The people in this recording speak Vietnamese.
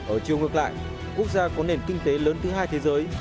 ở chiều ngược lại quốc gia có nền kinh tế lớn thứ hai thế giới